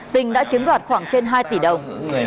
tình đã chiếm đoạt khoảng trên hai tỷ đồng